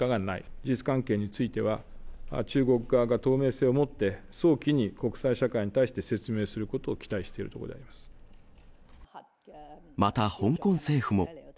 事実関係については、中国側が透明性をもって、早期に国際社会に対して説明することをまた香港政府も。